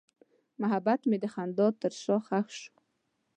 محبت مې د خندا تر شا ښخ شو.